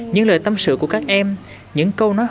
những lời tâm sự của các em những câu nói